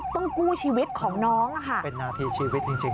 ต้องกู้ชีวิตของน้องเป็นนาทีชีวิตจริง